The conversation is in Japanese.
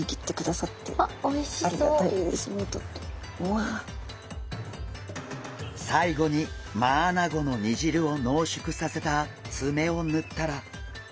さいごにマアナゴの煮汁を濃縮させたツメをぬったら。